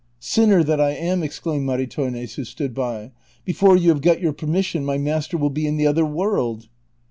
" Sinner that I am," exclaimed Maritornes, who stood by ;" before you have got your permission my master will be in the other world."